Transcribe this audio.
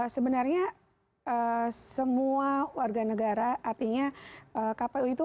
sebenarnya semua warga negara artinya kpud itu harus berpengaruh